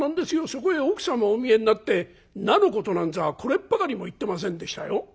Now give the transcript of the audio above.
そこへ奥様お見えになって菜のことなんざこれっぱかりも言ってませんでしたよ。